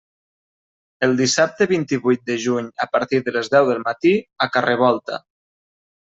El dissabte vint-i-vuit de juny a partir de les deu del matí a Ca Revolta.